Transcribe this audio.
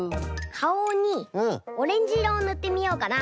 かおにオレンジいろをぬってみようかな。